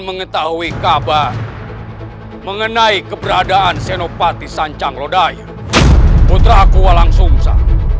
mengetahui kabar mengenai keberadaan senopati sancang lodaya putra akua langsungsa